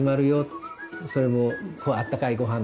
それも「あったかいごはんだよ」とか。